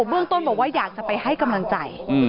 เบื้องต้นบอกว่าอยากจะไปให้กำลังใจ